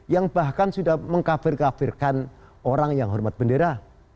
yang bahkan sudah mengkafir kafirkan orang yang hormat bendera